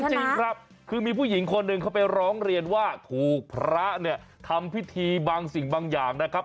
จริงครับคือมีผู้หญิงคนหนึ่งเขาไปร้องเรียนว่าถูกพระเนี่ยทำพิธีบางสิ่งบางอย่างนะครับ